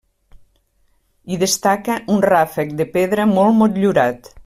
Hi destaca un ràfec de pedra molt motllurat.